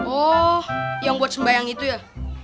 oh yang buat sembahyang itu ya